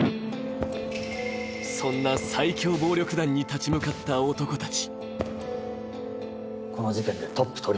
そんな最凶暴力団に立ち向かった男たち。